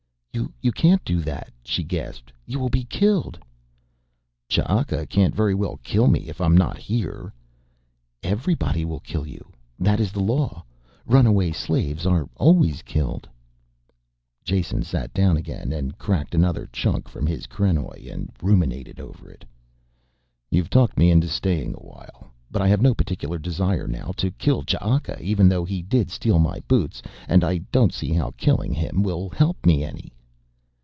"You can't do that," she gasped. "You will be killed." "Ch'aka can't very well kill me if I'm not here." "Everybody will kill you. That is the law. Runaway slaves are always killed." Jason sat down again and cracked another chunk from his krenoj and ruminated over it. "You've talked me into staying a while. But I have no particular desire now to kill Ch'aka, even though he did steal my boots. And I don't see how killing him will help me any."